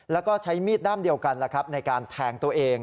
แล้วก็ใช้มีดด้ามเดียวกันในการแทงตัวเอง